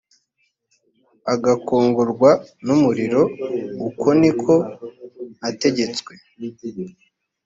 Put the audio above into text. agakongorwa n umuriro uko ni ko nategetswe